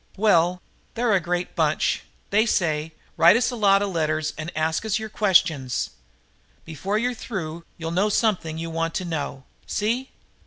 Well, they're a great bunch. They say: 'Write us a lot of letters and ask us your questions. Before you're through you'll know something you want to know.' See?"